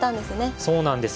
そうなんです。